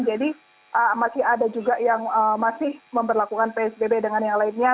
jadi masih ada juga yang masih memperlakukan psbb dengan yang lainnya